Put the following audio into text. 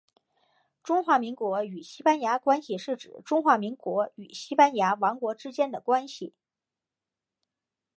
中华民国与西班牙关系是指中华民国与西班牙王国之间的关系。